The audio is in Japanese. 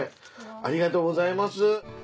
ありがとうございます。